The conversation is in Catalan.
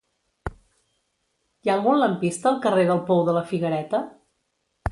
Hi ha algun lampista al carrer del Pou de la Figuereta?